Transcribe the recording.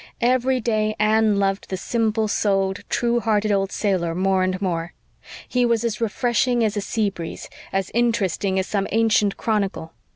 Every day Anne loved the simple souled, true hearted old sailor more and more. He was as refreshing as a sea breeze, as interesting as some ancient chronicle.